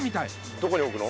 どこにおくの？